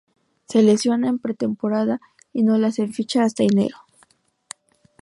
Se lesiona en pretemporada y no le hacen ficha hasta enero.